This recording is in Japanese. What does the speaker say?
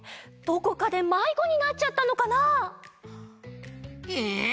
どこかでまいごになっちゃったのかな？え！？